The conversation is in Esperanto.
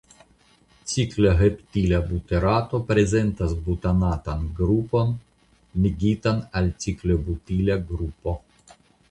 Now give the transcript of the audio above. Cikloheptila buterato prezentas butanatan grupon ligitan al ciklobutila grupo.